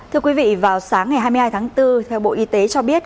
thưa quý vị vào sáng ngày hai mươi hai tháng bốn theo bộ y tế cho biết